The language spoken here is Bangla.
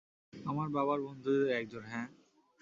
আমার বাবার বন্ধুদের একজন, হ্যাঁ।